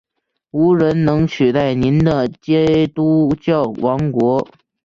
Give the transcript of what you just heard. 无人能取代您的基督教王国！